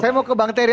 saya mau ke bang terry